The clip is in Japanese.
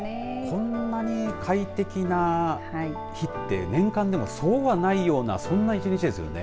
こんなに快適な日って年間でもそうはないようなそんな一日ですよね。